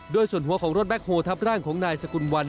โดยส่วนหัวของรถแคคโฮลทับร่างของนายสกุลวัน